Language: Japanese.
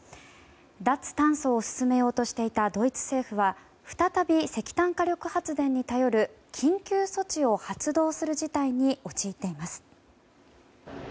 脱炭素を進めようとしていたドイツ政府は再び石炭火力発電に頼る緊急措置を発動する事態に陥っています。